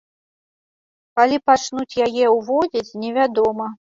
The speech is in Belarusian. Калі пачнуць яе ўзводзіць, невядома.